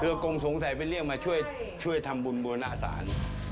กงสงสัยไปเรียกมาช่วยทำบุญบูรณาศาล